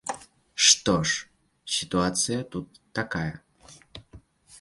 Што ж, сітуацыя тут такая.